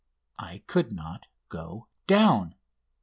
I could not go down.